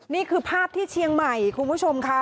นี่คือภาพที่เชียงใหม่คุณผู้ชมค่ะ